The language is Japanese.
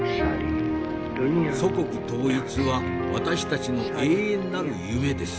「祖国統一は私たちの永遠なる夢です。